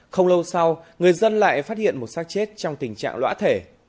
không lâu sau người dân lại phát hiện một sát chết trong tình trạng lõa thể